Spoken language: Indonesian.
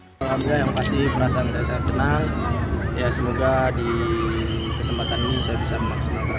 alhamdulillah yang pasti perasaan saya sangat senang ya semoga di kesempatan ini saya bisa memaksimalkan